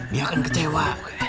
dia akan kecewa